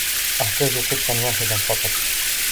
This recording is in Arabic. أحتاج قطا واحدا فقط.